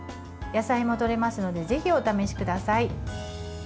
野菜もとれますのでぜひお試しください。